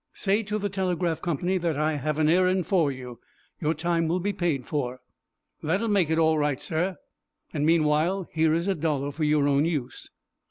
"Say to the telegraph company that I have an errand for you. Your time will be paid for." "That will make it all right, sir." "And, meanwhile, here is a dollar for your own use."